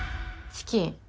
チキン。